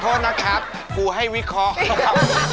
โทษนะครับครูให้วิเคราะห์ครับ